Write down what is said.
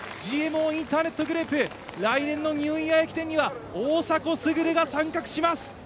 ＧＭＯインターネットグループ、来年のニューイヤー駅伝には大迫傑が参画します！